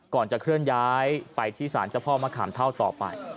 ก่อนจะเคลื่อนย้ายไปที่สารเจ้าพ่อมะขามเท่าต่อไป